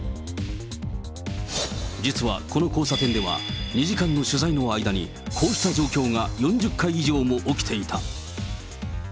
実はこの交差点では、２時間の取材の間に、こうした状況が４０回以上も起きていた。